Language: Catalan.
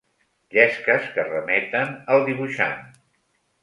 Llesques que remeten al dibuixant.